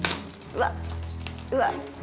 うわっうわっ。